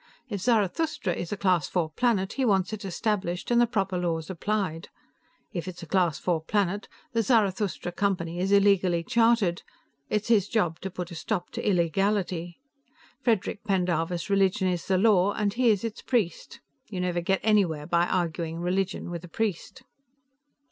If Zarathustra is a Class IV planet, he wants it established, and the proper laws applied. If it's a Class IV planet, the Zarathustra Company is illegally chartered. It's his job to put a stop to illegality. Frederic Pendarvis' religion is the law, and he is its priest. You never get anywhere by arguing religion with a priest."